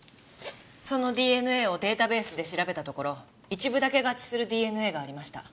そのＤＮＡをデータベースで調べたところ一部だけ合致するＤＮＡがありました。